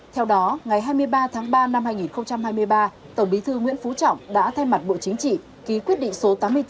theo đó ngày hai mươi ba tháng ba năm hai nghìn hai mươi ba tổng bí thư nguyễn phú trọng đã thay mặt bộ chính trị ký quyết định số tám mươi bốn